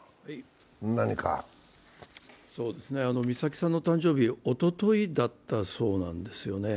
美咲さんの誕生日、おとといだったそうなんですよね。